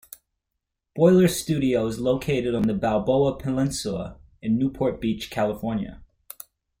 Boller's studio is located on the Balboa Peninsula in Newport Beach, California.